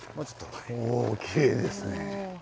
おぉきれいですね。